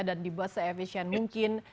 dan dibuat seefisien mungkin